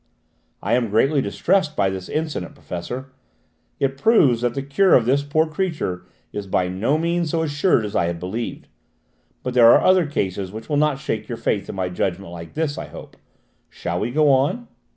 "I am greatly distressed by this incident, Professor. It proves that the cure of this poor creature is by no means so assured as I had believed. But there are other cases which will not shake your faith in my judgment like this, I hope. Shall we go on?"